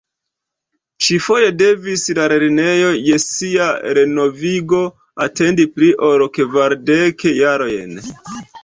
Ĉifoje devis la lernejo je sia renovigo atendi pli ol kvardek jarojn.